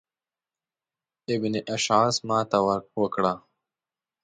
ابن اشعث ماته وکړه.